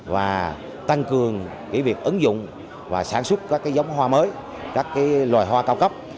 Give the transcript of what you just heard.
và tăng cường việc ứng dụng và sản xuất các giống hoa mới các loài hoa cao cấp